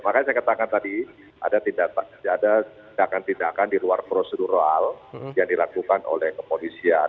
makanya saya katakan tadi ada tindakan tindakan di luar prosedural yang dilakukan oleh kepolisian